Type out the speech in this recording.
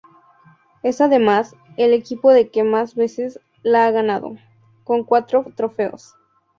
Es además, el equipo que más veces la ha ganado, con cuatro trofeos.